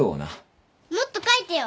もっと書いてよ。